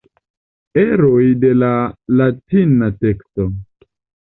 Eroj de la latina teksto.